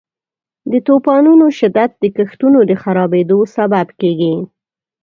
د طوفانونو شدت د کښتونو د خرابیدو سبب کیږي.